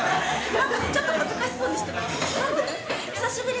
なんかさ、ちょっと恥ずかしそうにしてない？